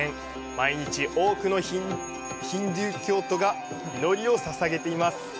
毎日、多くのヒンドゥー教徒が祈りをささげています。